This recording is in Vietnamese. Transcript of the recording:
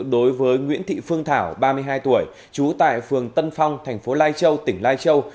đối với nguyễn thị phương thảo ba mươi hai tuổi trú tại phường tân phong thành phố lai châu tỉnh lai châu